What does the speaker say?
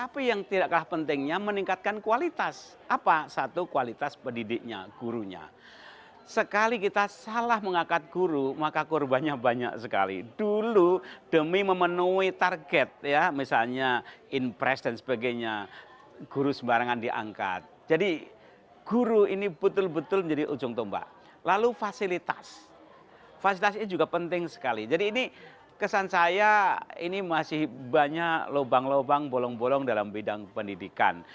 kesan saya ini masih banyak lubang lubang bolong bolong dalam bidang pendidikan